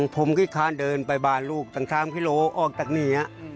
ผมก็ค้านเดินไปบ้านลูกตั้ง๓กิโลออกจากนี่